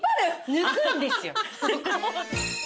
抜くんですよ。